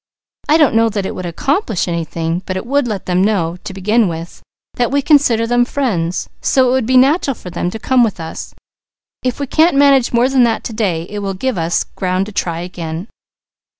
I don't know that it would accomplish anything, but it would let them know, to begin with, that we consider them friends; so it would be natural for them to come with us; if we can't manage more than that to day, it will give us ground to try again."